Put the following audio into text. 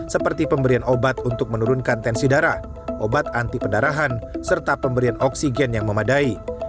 seperti pemberian obat untuk menurunkan tensi darah obat anti pendarahan serta pemberian oksigen yang memadai